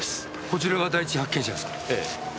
こちらが第一発見者ですか？